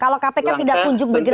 kalau kpk tidak kunjung bergerak